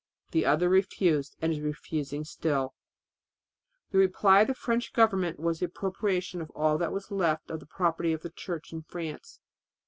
The other refused and is refusing still ...." The reply of the French government was the appropriation of all that was left of the property of the Church in France.